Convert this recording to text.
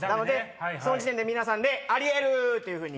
その時点で皆さんで「ありえる！」っていうふうに。